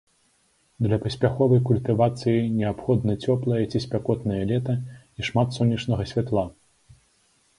Для паспяховай культывацыі неабходна цёплае ці спякотнае лета і шмат сонечнага святла.